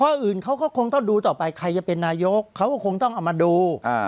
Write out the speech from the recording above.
อื่นเขาก็คงต้องดูต่อไปใครจะเป็นนายกเขาก็คงต้องเอามาดู